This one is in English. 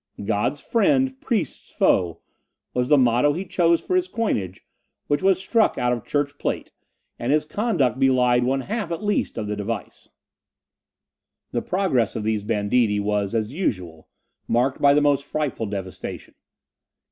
"God's Friend, Priest's Foe", was the motto he chose for his coinage, which was struck out of church plate; and his conduct belied one half at least of the device. The progress of these banditti was, as usual, marked by the most frightful devastation.